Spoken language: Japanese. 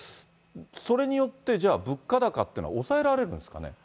それによって、じゃあ、物価高っていうのは抑えられるんですかね。